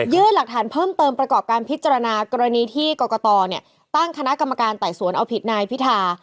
หลักฐานเพิ่มเติมประกอบการพิจารณากรณีที่กรกตตั้งคณะกรรมการไต่สวนเอาผิดนายพิธา